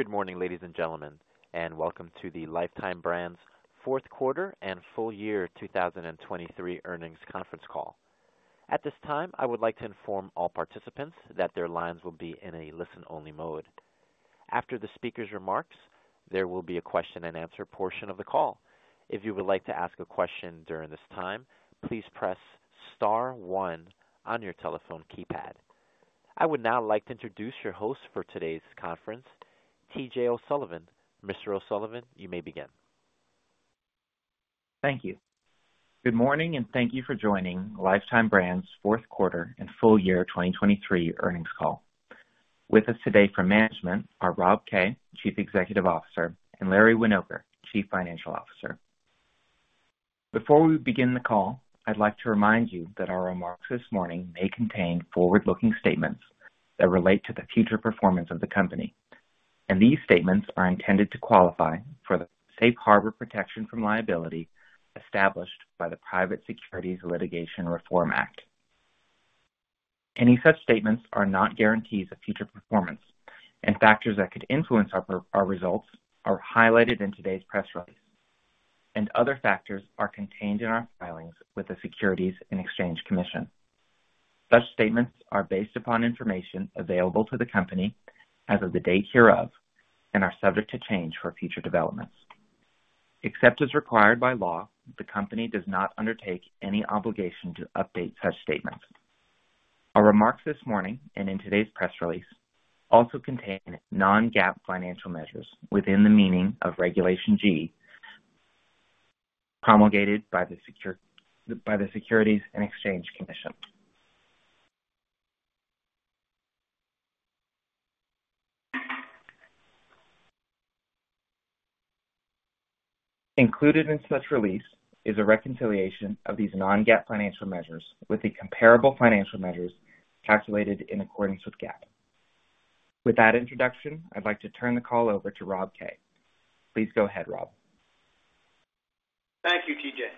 Good morning, ladies and gentlemen, and welcome to the Lifetime Brands Fourth Quarter and Full Year 2023 Earnings Conference Call. At this time, I would like to inform all participants that their lines will be in a listen-only mode. After the speaker's remarks, there will be a question-and-answer portion of the call. If you would like to ask a question during this time, please press star one on your telephone keypad. I would now like to introduce your host for today's conference, T.J. O'Sullivan. Mr. O'Sullivan, you may begin. Thank you. Good morning, and thank you for joining Lifetime Brands' Fourth Quarter and Full Year 2023 Earnings Call. With us today from management are Rob Kay, Chief Executive Officer, and Larry Winoker, Chief Financial Officer. Before we begin the call, I'd like to remind you that our remarks this morning may contain forward-looking statements that relate to the future performance of the company, and these statements are intended to qualify for the safe harbor protection from liability established by the Private Securities Litigation Reform Act. Any such statements are not guarantees of future performance, and factors that could influence our results are highlighted in today's press release, and other factors are contained in our filings with the Securities and Exchange Commission. Such statements are based upon information available to the company as of the date hereof and are subject to change for future developments. Except as required by law, the Company does not undertake any obligation to update such statements. Our remarks this morning and in today's press release also contain non-GAAP financial measures within the meaning of Regulation G, promulgated by the Securities and Exchange Commission. Included in such release is a reconciliation of these non-GAAP financial measures with the comparable financial measures calculated in accordance with GAAP. With that introduction, I'd like to turn the call over to Rob Kay. Please go ahead, Rob. Thank you, T.J.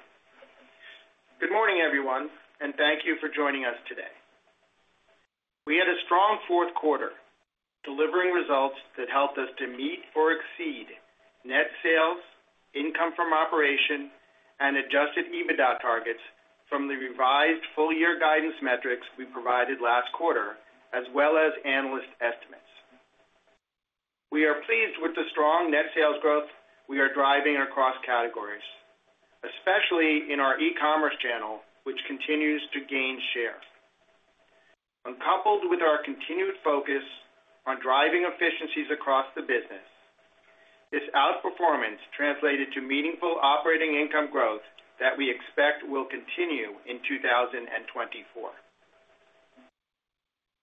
Good morning, everyone, and thank you for joining us today. We had a strong fourth quarter, delivering results that helped us to meet or exceed net sales, income from operations, and Adjusted EBITDA targets from the revised full-year guidance metrics we provided last quarter, as well as analyst estimates. We are pleased with the strong net sales growth we are driving across categories, especially in our e-commerce channel, which continues to gain share. When coupled with our continued focus on driving efficiencies across the business, this outperformance translated to meaningful operating income growth that we expect will continue in 2024.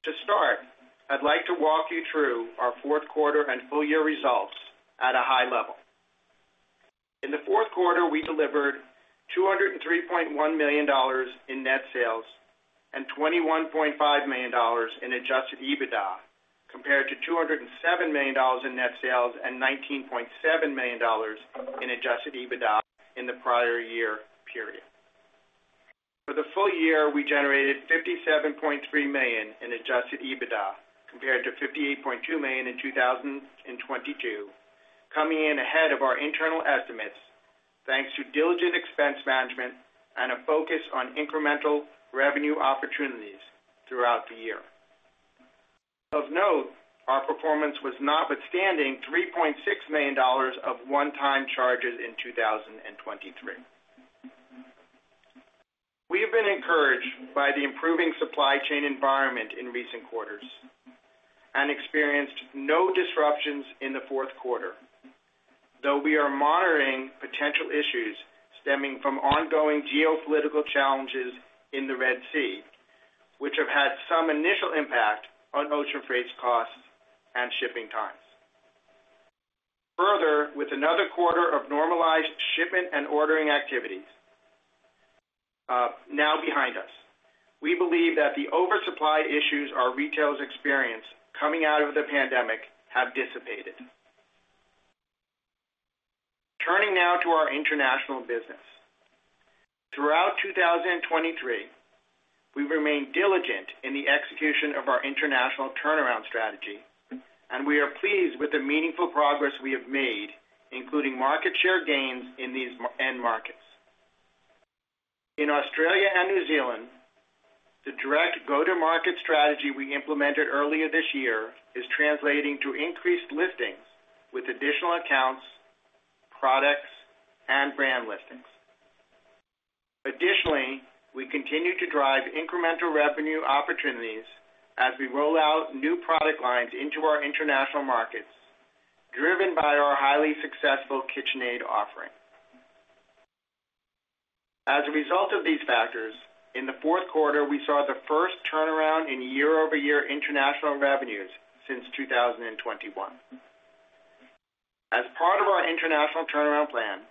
To start, I'd like to walk you through our fourth quarter and full year results at a high level. In the fourth quarter, we delivered $203.1 million in net sales and $21.5 million in adjusted EBITDA, compared to $207 million in net sales and $19.7 million in adjusted EBITDA in the prior year period. For the full year, we generated $57.3 million in adjusted EBITDA, compared to $58.2 million in 2022, coming in ahead of our internal estimates, thanks to diligent expense management and a focus on incremental revenue opportunities throughout the year. Of note, our performance was notwithstanding $3.6 million of one-time charges in 2023. We have been encouraged by the improving supply chain environment in recent quarters and experienced no disruptions in the fourth quarter, though we are monitoring potential issues stemming from ongoing geopolitical challenges in the Red Sea, which have had some initial impact on ocean freight costs and shipping times. Further, with another quarter of normalized shipment and ordering activities, now behind us, we believe that the oversupply issues our retailers experienced coming out of the pandemic have dissipated. Turning now to our international business. Throughout 2023, we remained diligent in the execution of our international turnaround strategy, and we are pleased with the meaningful progress we have made, including market share gains in these end markets. In Australia and New Zealand, the direct go-to-market strategy we implemented earlier this year is translating to increased listings with additional accounts, products, and brand listings. Additionally, we continue to drive incremental revenue opportunities as we roll out new product lines into our international markets, driven by our highly successful KitchenAid offering. As a result of these factors, in the fourth quarter, we saw the first turnaround in year-over-year international revenues since 2021. As part of our international turnaround plan,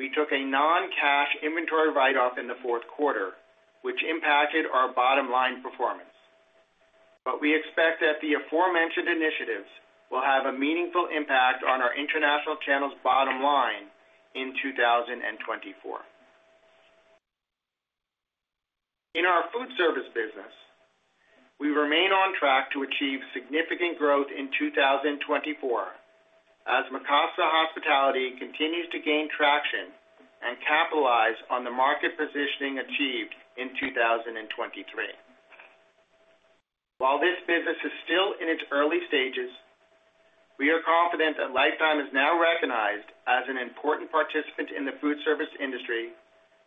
we took a non-cash inventory write-off in the fourth quarter, which impacted our bottom-line performance. But we expect that the aforementioned initiatives will have a meaningful impact on our international channels bottom line in 2024. In our food service business, we remain on track to achieve significant growth in 2024 as Mikasa Hospitality continues to gain traction and capitalize on the market positioning achieved in 2023. While this business is still in its early stages, we are confident that Lifetime is now recognized as an important participant in the food service industry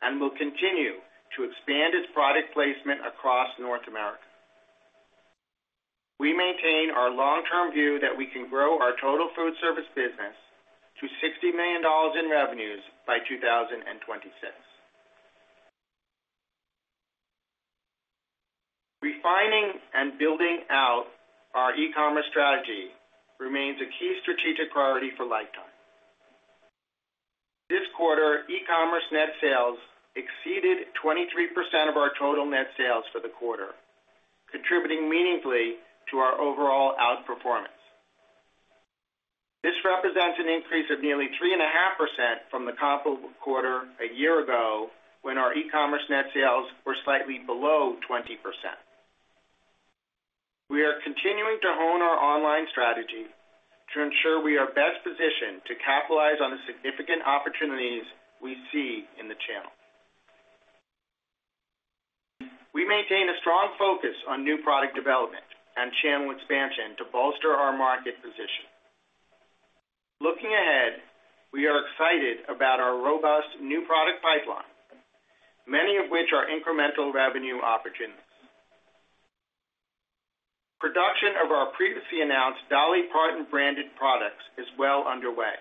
and will continue to expand its product placement across North America. We maintain our long-term view that we can grow our total food service business to $60 million in revenues by 2026. Refining and building out our e-commerce strategy remains a key strategic priority for Lifetime. This quarter, e-commerce net sales exceeded 23% of our total net sales for the quarter, contributing meaningfully to our overall outperformance. This represents an increase of nearly 3.5% from the comparable quarter a year ago, when our e-commerce net sales were slightly below 20%. We are continuing to hone our online strategy to ensure we are best positioned to capitalize on the significant opportunities we see in the channel. We maintain a strong focus on new product development and channel expansion to bolster our market position. Looking ahead, we are excited about our robust new product pipeline, many of which are incremental revenue opportunities. Production of our previously announced Dolly Parton branded products is well underway,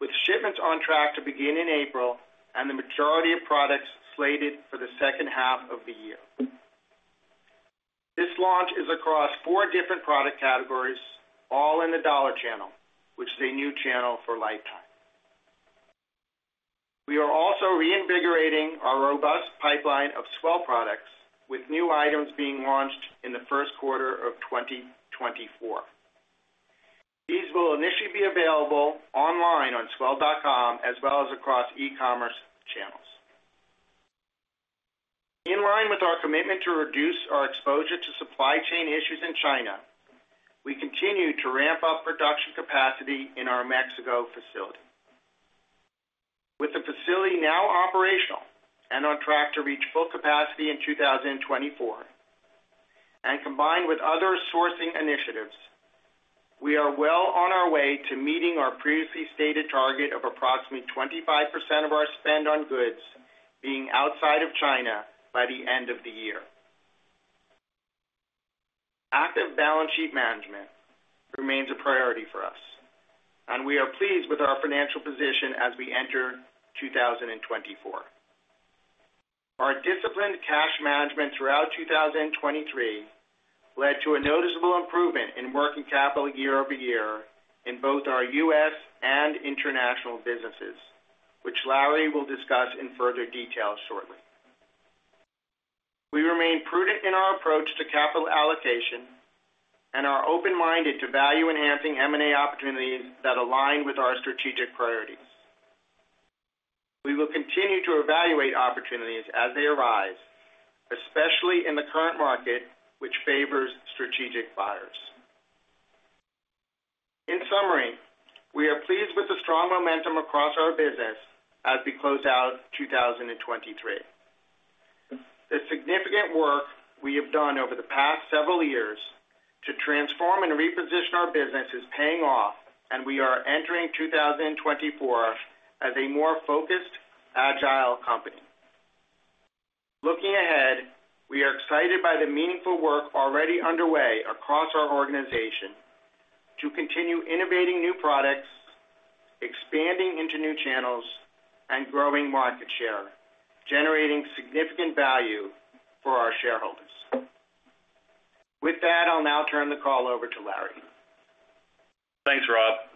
with shipments on track to begin in April and the majority of products slated for the second half of the year. This launch is across four different product categories, all in the dollar channel, which is a new channel for Lifetime. We are also reinvigorating our robust pipeline of S'well products, with new items being launched in the first quarter of 2024. These will initially be available online on s'well.com, as well as across e-commerce channels. In line with our commitment to reduce our exposure to supply chain issues in China, we continue to ramp up production capacity in our Mexico facility. With the facility now operational and on track to reach full capacity in 2024, and combined with other sourcing initiatives, we are well on our way to meeting our previously stated target of approximately 25% of our spend on goods being outside of China by the end of the year. Active balance sheet management remains a priority for us, and we are pleased with our financial position as we enter 2024. Our disciplined cash management throughout 2023 led to a noticeable improvement in working capital year-over-year in both our U.S. and international businesses, which Larry will discuss in further detail shortly. We remain prudent in our approach to capital allocation and are open-minded to value-enhancing M&A opportunities that align with our strategic priorities. We will continue to evaluate opportunities as they arise, especially in the current market, which favors strategic buyers. In summary, we are pleased with the strong momentum across our business as we close out 2023. The significant work we have done over the past several years to transform and reposition our business is paying off, and we are entering 2024 as a more focused, agile company. Looking ahead, we are excited by the meaningful work already underway across our organization to continue innovating new products, expanding into new channels, and growing market share, generating significant value for our shareholders. With that, I'll now turn the call over to Larry. Thanks, Rob.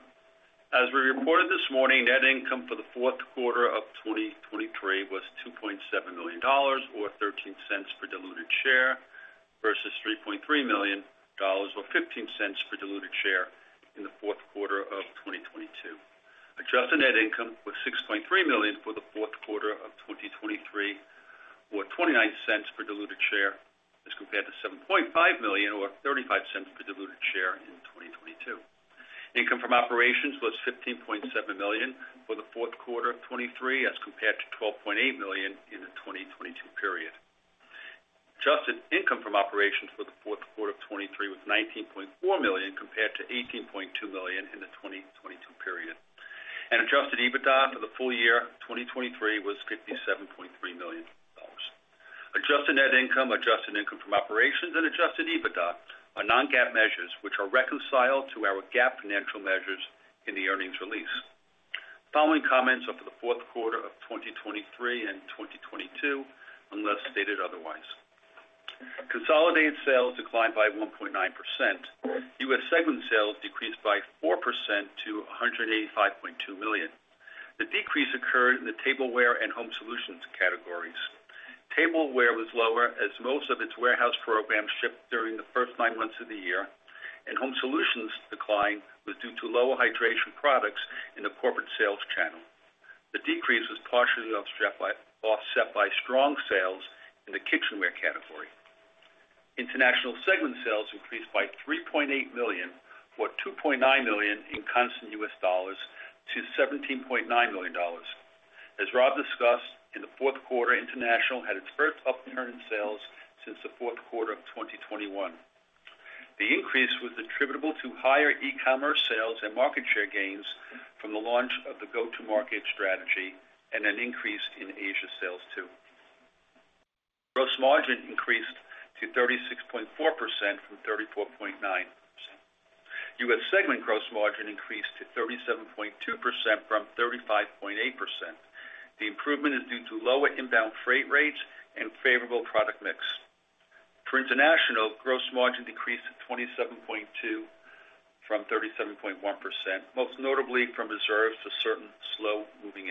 As we reported this morning, net income for the fourth quarter of 2023 was $2.7 million or $0.13 per diluted share, versus $3.3 million or $0.15 per diluted share in the fourth quarter of 2022. Adjusted net income was $6.3 million for the fourth quarter of 2023, or $0.29 per diluted share, as compared to $7.5 million or $0.35 per diluted share in 2022. Income from operations was $15.7 million for the fourth quarter of 2023, as compared to $12.8 million in the 2022 period. Adjusted income from operations for the fourth quarter of 2023 was $19.4 million, compared to $18.2 million in the 2022 period. Adjusted EBITDA for the full year 2023 was $57.3 million. Adjusted net income, adjusted income from operations and adjusted EBITDA are non-GAAP measures, which are reconciled to our GAAP financial measures in the earnings release. The following comments are for the fourth quarter of 2023 and 2022, unless stated otherwise. Consolidated sales declined by 1.9%. US segment sales decreased by 4% to $185.2 million. The decrease occurred in the tableware and home solutions categories. Tableware was lower as most of its warehouse programs shipped during the first nine months of the year, and home solutions decline was due to lower hydration products in the corporate sales channel. The decrease was partially offset by strong sales in the kitchenware category. International segment sales increased by $3.8 million, or $2.9 million in constant U.S. dollars to $17.9 million. As Rob discussed, in the fourth quarter, International had its first upturn in sales since the fourth quarter of 2021. The increase was attributable to higher e-commerce sales and market share gains from the launch of the go-to-market strategy and an increase in Asia sales, too. Gross margin increased to 36.4% from 34.9%. U.S. segment gross margin increased to 37.2% from 35.8%. The improvement is due to lower inbound freight rates and favorable product mix. For International, gross margin decreased to 27.2% from 37.1%, most notably from reserves to certain slow-moving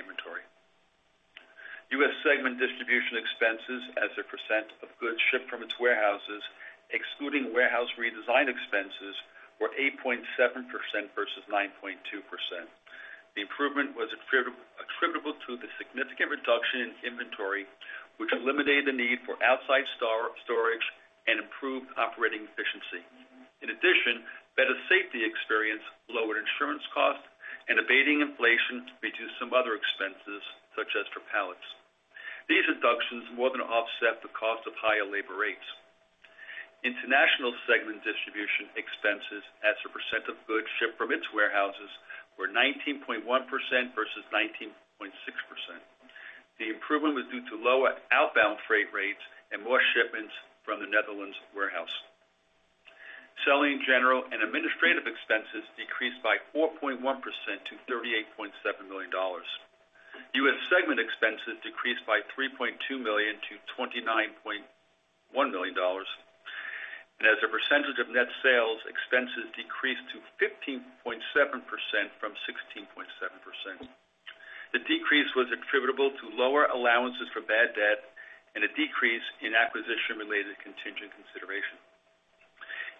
inventory. US segment distribution expenses as a percent of goods shipped from its warehouses, excluding warehouse redesign expenses, were 8.7% versus 9.2%. The improvement was attributable to the significant reduction in inventory, which eliminated the need for outside storage and improved operating efficiency. In addition, better safety experience, lower insurance costs, and abating inflation reduced some other expenses, such as for pallets. These reductions more than offset the cost of higher labor rates. International segment distribution expenses as a percent of goods shipped from its warehouses were 19.1% versus 19.6%. The improvement was due to lower outbound freight rates and more shipments from the Netherlands warehouse. Selling, general, and administrative expenses decreased by 4.1% to $38.7 million. U.S. segment expenses decreased by $3.2 million to $29.1 million, and as a percentage of net sales, expenses decreased to 15.7% from 16.7%. The decrease was attributable to lower allowances for bad debt and a decrease in acquisition-related contingent consideration.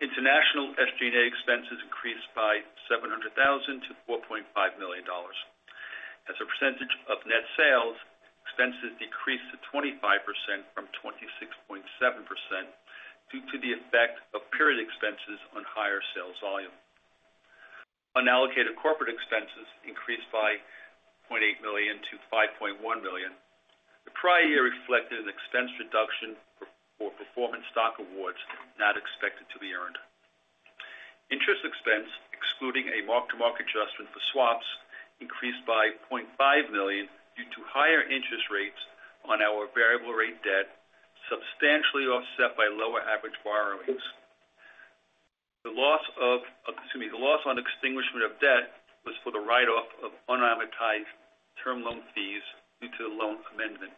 International SG&A expenses increased by $700,000 to $4.5 million. As a percentage of net sales, expenses decreased to 25% from 26.7% due to the effect of period expenses on higher sales volume. Unallocated corporate expenses increased by $0.8 million to $5.1 million. The prior year reflected an expense reduction for performance stock awards not expected to be earned. Interest expense, excluding a mark-to-market adjustment for swaps, increased by $0.5 million due to higher interest rates on our variable rate debt, substantially offset by lower average borrowings. The loss of, excuse me, the loss on extinguishment of debt was for the write-off of unamortized term loan fees due to the loan amendment.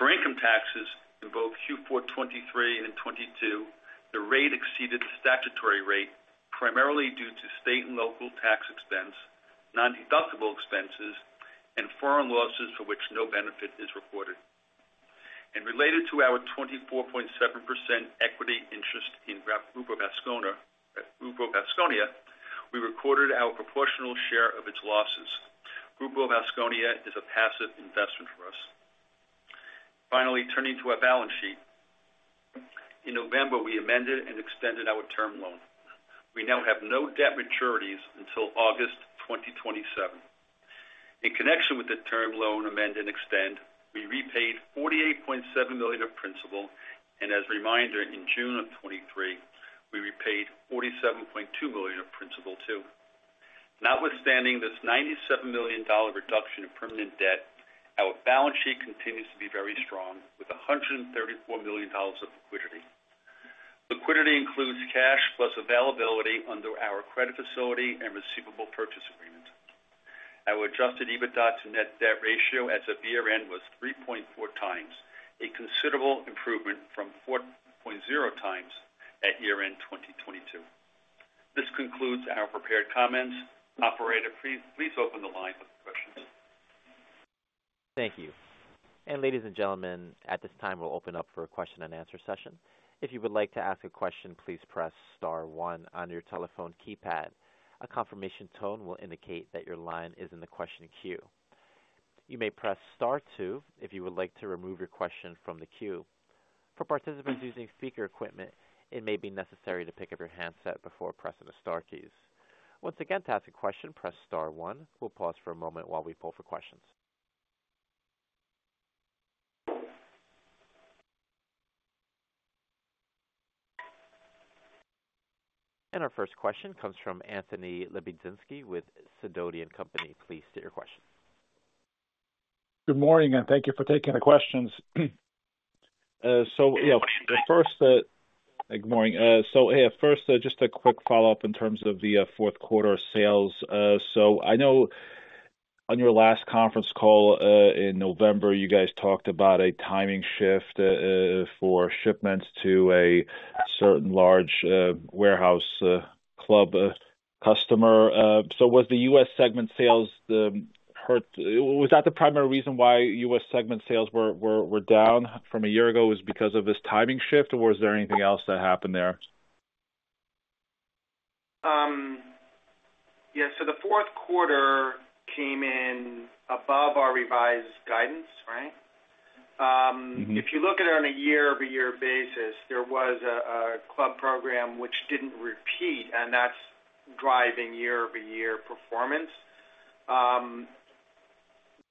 For income taxes, in both Q4 2023 and in 2022, the rate exceeded the statutory rate, primarily due to state and local tax expense, nondeductible expenses, and foreign losses for which no benefit is reported. Related to our 24.7% equity interest in Grupo Vasconia, Grupo Vasconia, we recorded our proportional share of its losses. Grupo Vasconia is a passive investment for us. Finally, turning to our balance sheet. In November, we amended and extended our term loan. We now have no debt maturities until August 2027. In connection with the term loan amend and extend, we repaid $48.7 million of principal, and as a reminder, in June of 2023, we repaid $47.2 million of principal, too. Notwithstanding this $97 million reduction in permanent debt, our balance sheet continues to be very strong, with $134 million of liquidity. Liquidity includes cash plus availability under our credit facility and receivable purchase agreement. Our Adjusted EBITDA to net debt ratio as of year-end was 3.4x, a considerable improvement from 4.0x at year-end 2022. This concludes our prepared comments. Operator, please, please open the line for questions. Thank you. Ladies and gentlemen, at this time, we'll open up for a question-and-answer session. If you would like to ask a question, please press star one on your telephone keypad. A confirmation tone will indicate that your line is in the question queue. You may press star two if you would like to remove your question from the queue. For participants using speaker equipment, it may be necessary to pick up your handset before pressing the star keys. Once again, to ask a question, press star one. We'll pause for a moment while we pull for questions. Our first question comes from Anthony Lebiedzinski with Sidoti & Company. Please state your question. Good morning, and thank you for taking the questions. So, yeah, first, good morning. So yeah, first, just a quick follow-up in terms of the fourth quarter sales. So I know on your last conference call, in November, you guys talked about a timing shift for shipments to a certain large warehouse club customer. So was the U.S. segment sales the primary reason why U.S. segment sales were down from a year ago, because of this timing shift, or was there anything else that happened there? Yeah, so the fourth quarter came in above our revised guidance, right? If you look at it on a year-over-year basis, there was a club program which didn't repeat, and that's driving year-over-year performance.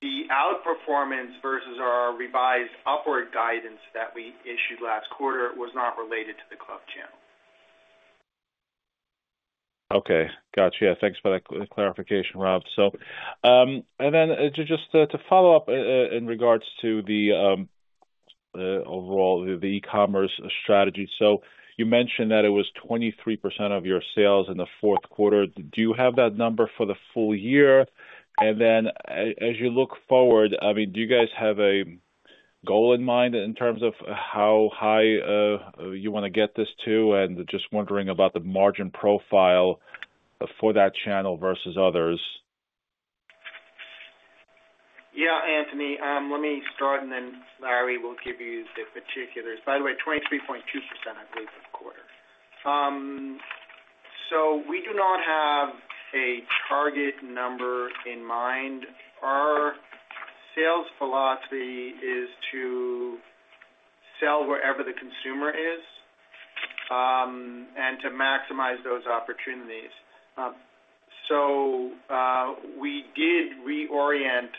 The outperformance versus our revised upward guidance that we issued last quarter was not related to the club channel. Okay. Got you. Thanks for that clarification, Rob. So, and then just to follow up, in regards to the overall the e-commerce strategy. So you mentioned that it was 23% of your sales in the fourth quarter. Do you have that number for the full year? And then, as you look forward, I mean, do you guys have a goal in mind in terms of how high you want to get this to? And just wondering about the margin profile for that channel versus others. Yeah, Anthony, let me start, and then Larry will give you the particulars. By the way, 23.2%, I believe, for the quarter. So we do not have a target number in mind. Our sales philosophy is to sell wherever the consumer is, and to maximize those opportunities. So, we did reorient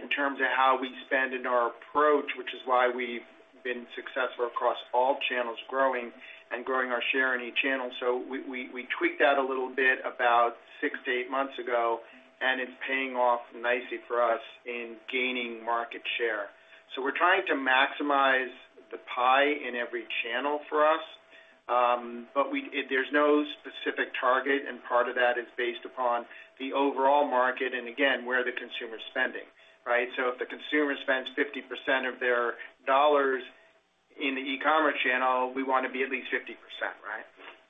in terms of how we spend in our approach, which is why we've been successful across all channels growing and growing our share in each channel. So we tweaked that a little bit about 6-8 months ago, and it's paying off nicely for us in gaining market share. So we're trying to maximize the pie in every channel for us, but there's no specific target, and part of that is based upon the overall market and again, where the consumer is spending, right? So if the consumer spends 50% of their dollars in the e-commerce channel, we want to be at least 50%, right?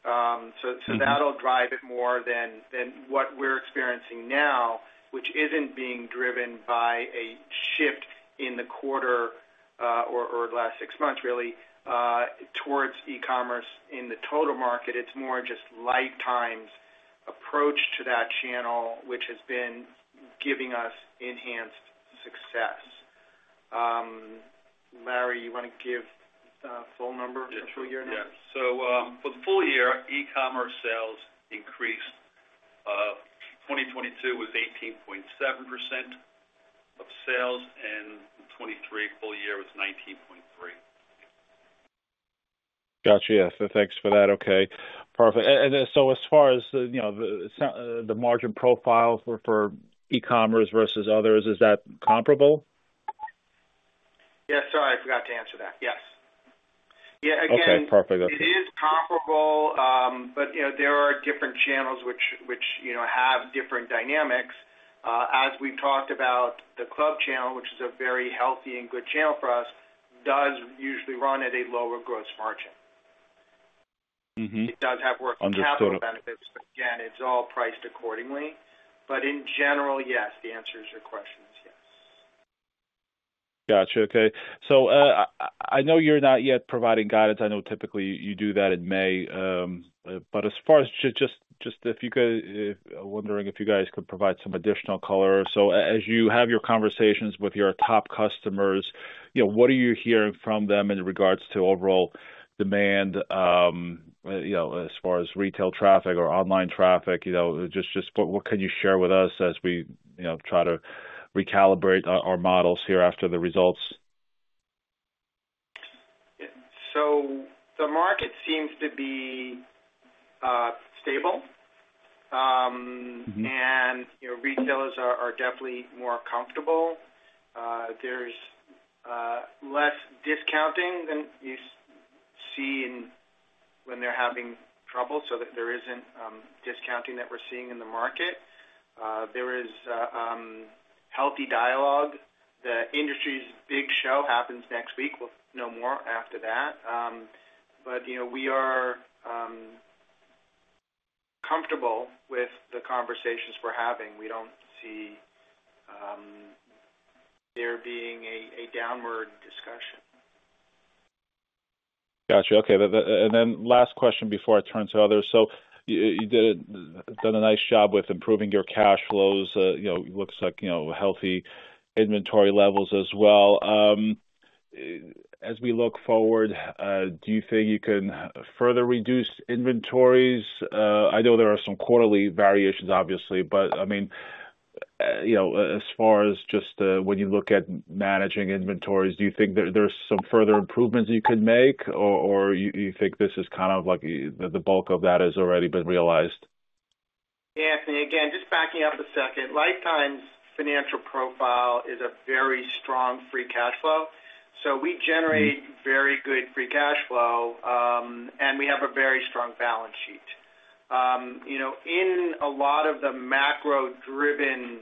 Mm-hmm. That'll drive it more than what we're experiencing now, which isn't being driven by a shift in the quarter, or the last six months, really, towards e-commerce in the total market. It's more just Lifetime's approach to that channel, which has been giving us enhanced success. Larry, you want to give the full number for the full year? Yeah. So, for the full year, e-commerce sales increased, 2022 was 18.7% of sales, and 2023 full year was 19.3%. Got you. Yes, so thanks for that. Okay, perfect. And so as far as, you know, the margin profile for e-commerce versus others, is that comparable? Yes, sorry, I forgot to answer that. Yes. Yeah, again- Okay, perfect. It is comparable, but, you know, there are different channels which have different dynamics. As we talked about the club channel, which is a very healthy and good channel for us, does usually run at a lower gross margin. Mm-hmm. It does have working capital benefits- Understood. but again, it's all priced accordingly. But in general, yes, the answer to your question is yes. Got you. Okay. So, I know you're not yet providing guidance. I know typically you do that in May, but as far as just, if you could, wondering if you guys could provide some additional color. So as you have your conversations with your top customers, you know, what are you hearing from them in regards to overall demand, you know, as far as retail traffic or online traffic? You know, just, what can you share with us as we, you know, try to recalibrate our models here after the results? So the market seems to be stable. Mm-hmm. and, you know, retailers are definitely more comfortable. There's less discounting than you see when they're having trouble, so there isn't discounting that we're seeing in the market. There is healthy dialogue. The industry's big show happens next week. We'll know more after that. But, you know, we are comfortable with the conversations we're having. We don't see there being a downward discussion. Got you. Okay. Then last question before I turn to others. So you, you did done a nice job with improving your cash flows. You know, looks like, you know, healthy inventory levels as well. As we look forward, do you think you can further reduce inventories? I know there are some quarterly variations, obviously, but I mean, you know, as far as just, when you look at managing inventories, do you think there, there's some further improvements you could make, or, or you, you think this is kind of like the, the bulk of that has already been realized? Yeah, Anthony, again, just backing up a second. Lifetime's financial profile is a very strong free cash flow, so we generate- Mm-hmm. very good free cash flow, and we have a very strong balance sheet. You know, in a lot of the macro-driven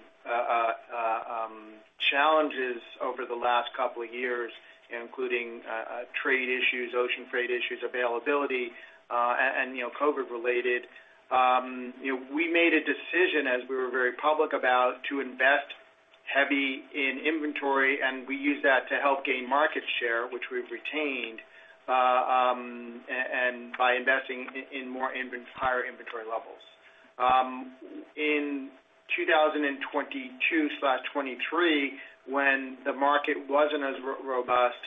challenges over the last couple of years, including trade issues, ocean trade issues, availability, and, you know, COVID-related, you know, we made a decision, as we were very public about, to invest heavy in inventory, and we use that to help gain market share, which we've retained, and by investing in higher inventory levels. In 2022/2023, when the market wasn't as robust,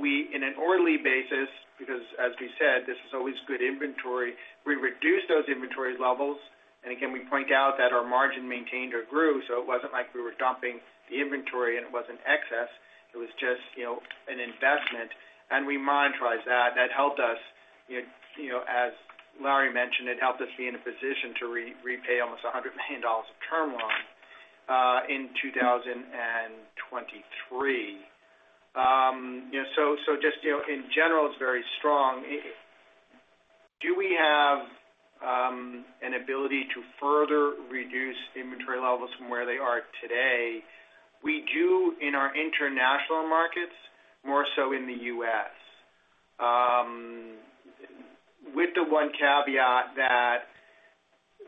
we, in an orderly basis, because as we said, this is always good inventory, we reduced those inventory levels. And again, we point out that our margin maintained or grew, so it wasn't like we were dumping the inventory, and it wasn't excess. It was just, you know, an investment, and we monetized that. That helped us, you know, as Larry mentioned, it helped us be in a position to repay almost $100 million of term loans in 2023. You know, so just, you know, in general, it's very strong. Do we have an ability to further reduce inventory levels from where they are today? We do in our international markets, more so in the US. With the one caveat that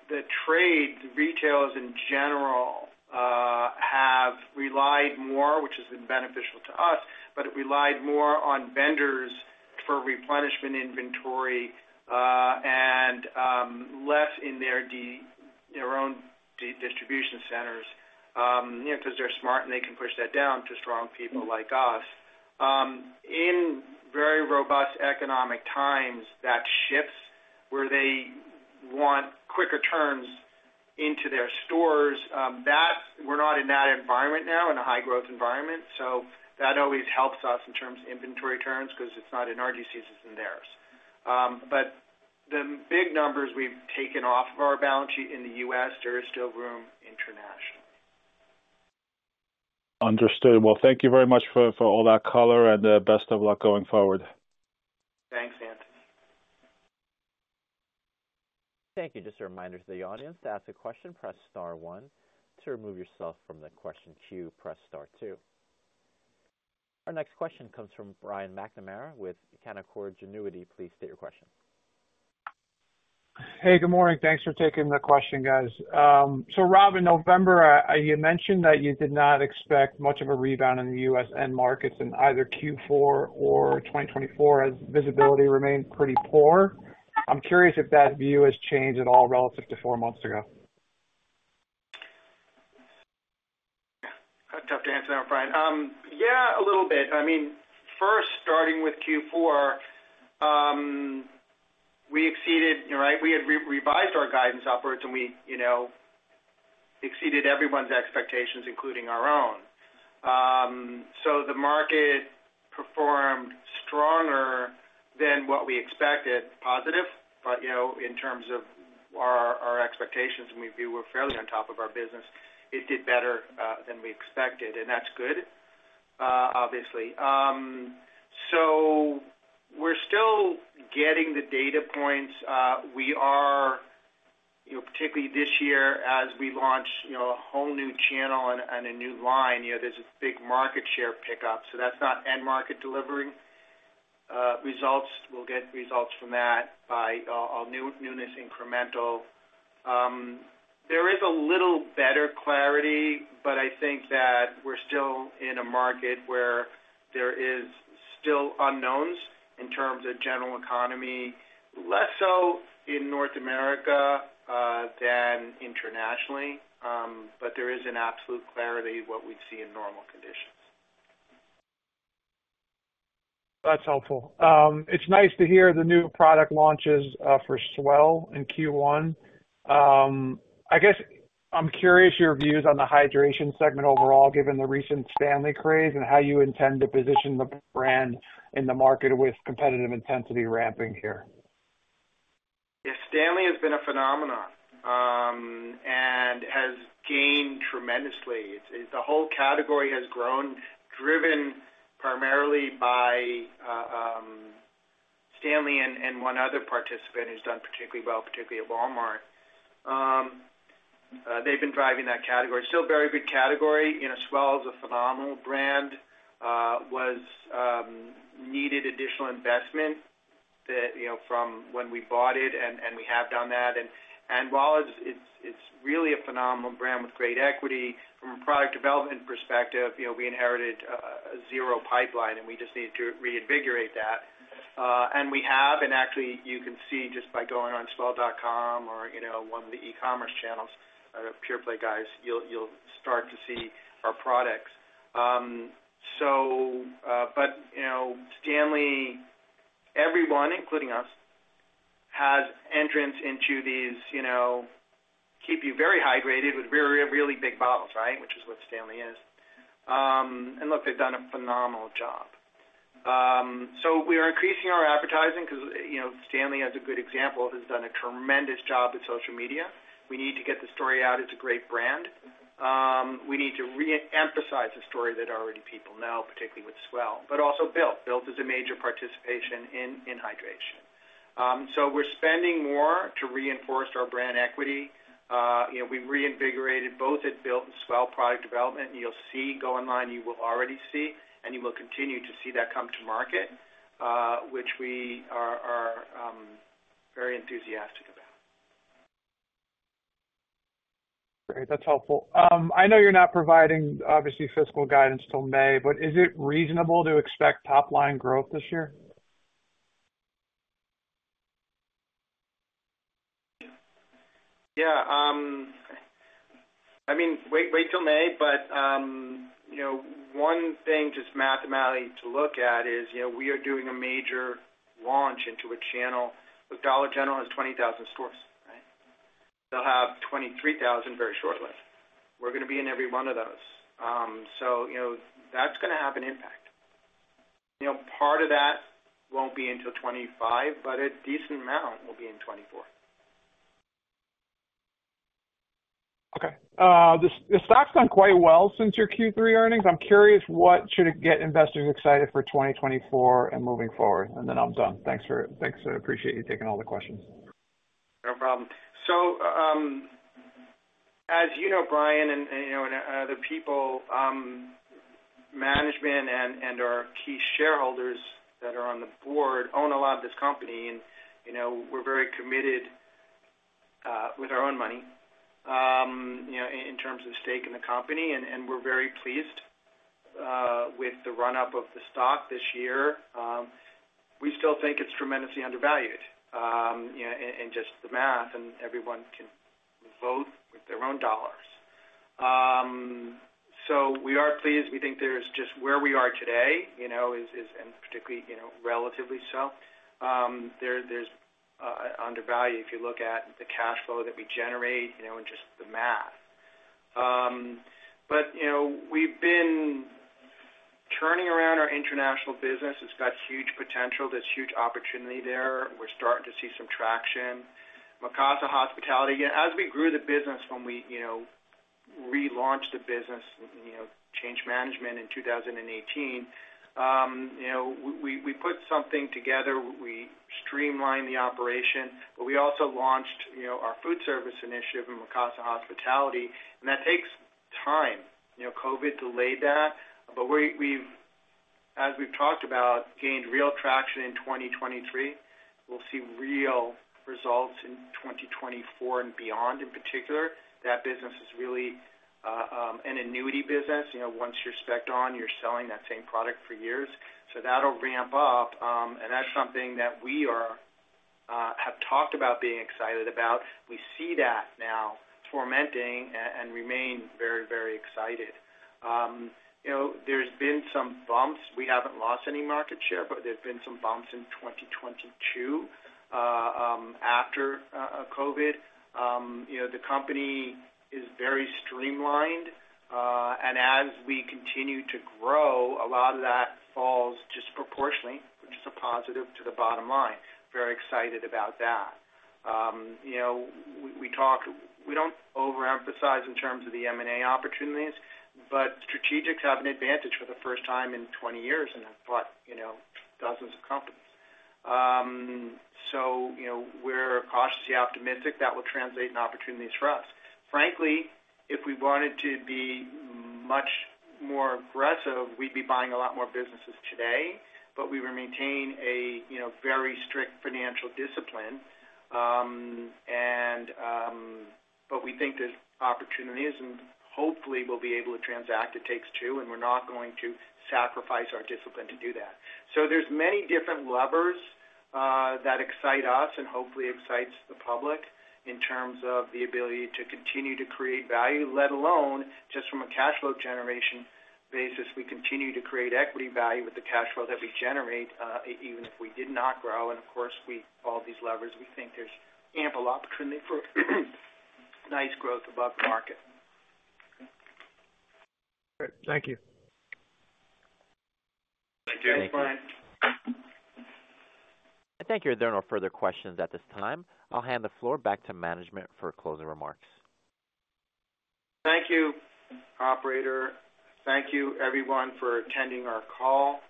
the trade, the retailers in general, have relied more, which has been beneficial to us, but have relied more on vendors for replenishment inventory, and less in their own distribution centers. You know, because they're smart, and they can push that down to strong people like us. In very robust economic times, that shifts where they want quicker turns into their stores. We're not in that environment now, in a high-growth environment, so that always helps us in terms of inventory turns, because it's not in our DCs, it's in theirs. But the big numbers we've taken off of our balance sheet in the U.S., there is still room internationally. Understood. Well, thank you very much for all that color, and best of luck going forward. Thanks, Anthony. Thank you. Just a reminder to the audience, to ask a question, press Star one. To remove yourself from the question queue, press Star two. Our next question comes from Brian McNamara with Canaccord Genuity. Please state your question. Hey, good morning. Thanks for taking the question, guys. So Rob, in November, you mentioned that you did not expect much of a rebound in the U.S. end markets in either Q4 or 2024, as visibility remained pretty poor. I'm curious if that view has changed at all relative to four months ago. Yeah, tough to answer that, Brian. Yeah, a little bit. I mean, first, starting with Q4, we exceeded, right? We had re-revised our guidance upwards, and we, you know, exceeded everyone's expectations, including our own. So the market performed stronger than what we expected, positive, but, you know, in terms of our expectations, and we view we're fairly on top of our business, it did better than we expected, and that's good, obviously. So we're still getting the data points. We are, you know, particularly this year, as we launch, you know, a whole new channel and a new line, you know, there's a big market share pickup, so that's not end-market delivery results. We'll get results from that by our newness incremental. There is a little better clarity, but I think that we're still in a market where there is still unknowns in terms of general economy, less so in North America, than internationally. But there is an absolute clarity what we'd see in normal conditions. That's helpful. It's nice to hear the new product launches for S'well in Q1. I guess I'm curious your views on the hydration segment overall, given the recent Stanley craze, and how you intend to position the brand in the market with competitive intensity ramping here. Yeah, Stanley has been a phenomenon, and has gained tremendously. It's the whole category has grown, driven primarily by Stanley and one other participant who's done particularly well, particularly at Walmart. They've been driving that category. Still a very big category, and S'well is a phenomenal brand, was needed additional investment that, you know, from when we bought it, and we have done that. While it's really a phenomenal brand with great equity, from a product development perspective, you know, we inherited a zero pipeline, and we just needed to reinvigorate that. And we have, and actually, you can see just by going on S'well.com or, you know, one of the e-commerce channels, our pure play guys, you'll start to see our products. So, but you know, Stanley, everyone, including us, has entrants into these, you know, keep you very hydrated with very, really big bottles, right? Which is what Stanley is. And look, they've done a phenomenal job. So we are increasing our advertising because, you know, Stanley, as a good example, has done a tremendous job with social media. We need to get the story out. It's a great brand. We need to re-emphasize the story that already people know, particularly with S'well, but also Built. Built is a major participation in hydration. So we're spending more to reinforce our brand equity. You know, we reinvigorated both at Built and S'well product development. You'll see, go online, you will already see, and you will continue to see that come to market, which we are very enthusiastic about. Great, that's helpful. I know you're not providing, obviously, fiscal guidance till May, but is it reasonable to expect top line growth this year? Yeah, I mean, wait, wait till May, but, you know, one thing, just mathematically to look at is, you know, we are doing a major launch into a channel, with Dollar General has 20,000 stores, right? They'll have 23,000 very shortly. We're gonna be in every one of those. So, you know, that's gonna have an impact. You know, part of that won't be until 2025, but a decent amount will be in 2024. Okay, the stock's done quite well since your Q3 earnings. I'm curious, what should get investors excited for 2024 and moving forward? And then I'm done. Thanks, I appreciate you taking all the questions. No problem. So, as you know, Brian, and you know, the people, management and our key shareholders that are on the board own a lot of this company, and, you know, we're very committed with our own money, you know, in terms of stake in the company, and we're very pleased with the run-up of the stock this year. We still think it's tremendously undervalued, you know, and just the math, and everyone can vote with their own dollars. So we are pleased. We think there's just where we are today, you know, is and particularly, you know, relatively so, there's undervalued, if you look at the cash flow that we generate, you know, and just the math. But, you know, we've been turning around our international business. It's got huge potential. There's huge opportunity there. We're starting to see some traction. Mikasa Hospitality, as we grew the business when we, you know, relaunched the business, you know, changed management in 2018, you know, we put something together, we streamlined the operation, but we also launched, you know, our food service initiative in Mikasa Hospitality, and that takes time. You know, COVID delayed that, but we've, as we've talked about, gained real traction in 2023. We'll see real results in 2024 and beyond. In particular, that business is really an annuity business. You know, once you're spec'd on, you're selling that same product for years. So that'll ramp up, and that's something that we have talked about being excited about. We see that now transforming and remain very, very excited. You know, there's been some bumps. We haven't lost any market share, but there've been some bumps in 2022 after COVID. You know, the company is very streamlined, and as we continue to grow, a lot of that falls just proportionally, which is a positive to the bottom line. Very excited about that. You know, we talk. We don't overemphasize in terms of the M&A opportunities, but strategics have an advantage for the first time in 20 years, and I've bought, you know, dozens of companies. So, you know, we're cautiously optimistic that will translate in opportunities for us. Frankly, if we wanted to be much more aggressive, we'd be buying a lot more businesses today, but we would maintain a you know, very strict financial discipline. But we think there's opportunities and hopefully we'll be able to transact. It takes two, and we're not going to sacrifice our discipline to do that. So there's many different levers that excite us and hopefully excites the public in terms of the ability to continue to create value, let alone just from a cash flow generation basis. We continue to create equity value with the cash flow that we generate, even if we did not grow, and of course, we follow these levers. We think there's ample opportunity for nice growth above the market. Great. Thank you. Thank you, Brian. I thank you. There are no further questions at this time. I'll hand the floor back to management for closing remarks. Thank you, operator. Thank you everyone for attending our call.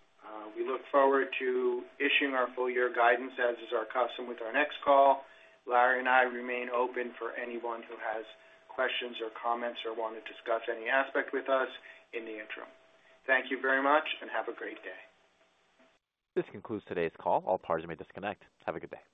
We look forward to issuing our full year guidance, as is our custom with our next call. Larry and I remain open for anyone who has questions or comments or want to discuss any aspect with us in the interim. Thank you very much and have a great day. This concludes today's call. All parties may disconnect. Have a good day.